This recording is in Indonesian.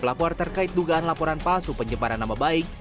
lapor terkait dugaan laporan palsu penyebaran nama baik